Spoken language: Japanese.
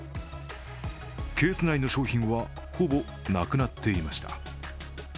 ケース内の商品はほぼなくなっていました。